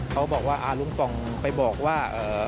เขาบอกว่าลุงป่องไปบอกว่า